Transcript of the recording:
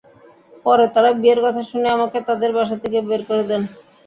পরে তাঁরা বিয়ের কথা শুনে আমাকে তাঁদের বাসা থেকে বের করে দেন।